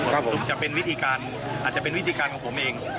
ก็คงจะเป็นวิธีการอาจจะเป็นวิธีการของผมเอง